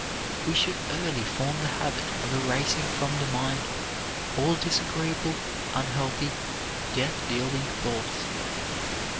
We should early form the habit of erasing from the mind all disagreeable, unhealthy, death dealing thoughts.